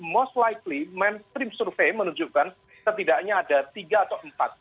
most likely mainstream survei menunjukkan setidaknya ada tiga atau empat